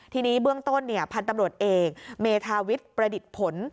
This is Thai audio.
ทีนี้เบื้องต้นพันธุ์ตำรวจเอกเมธาวิทย์ประดิษฐ์ผล